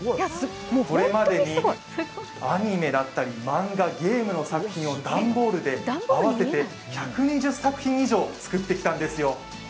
これまでにアニメだったり、マンガゲームの作品を段ボールで合わせて１２０作品以上作ってきたんですよ。